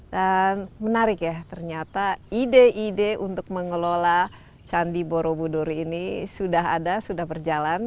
dan menarik ya ternyata ide ide untuk mengelola candi borobudur ini sudah ada sudah berjalan